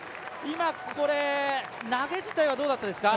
今、投げ自体はどうだったですか。